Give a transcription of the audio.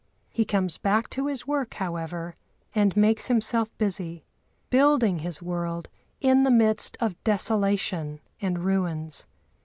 He comes back to his work, however, and makes himself busy, building his world in the midst of desolation and ruins.